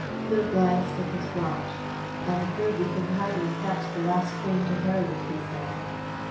Phil glanced at his watch. "I am afraid we can hardly catch the last train to Heredith," he said.